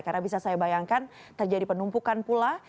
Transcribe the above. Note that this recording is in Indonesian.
karena bisa saya bayangkan terjadi penumpukan pula